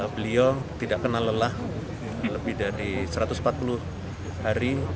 beliau tidak kenal lelah lebih dari satu ratus empat puluh hari